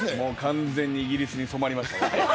完全にイギリスに染まりました。